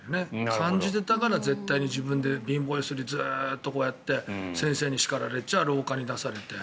感じていたから絶対に自分で貧乏揺すりをずっとこうやって先生に叱られちゃ廊下に出されて。